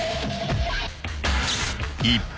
［一方］